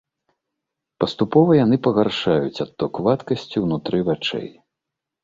Паступова яны пагаршаюць адток вадкасці ўнутры вачэй.